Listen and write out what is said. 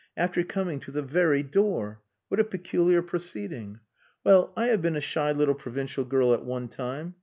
"After coming to the very door! What a peculiar proceeding! Well, I have been a shy little provincial girl at one time.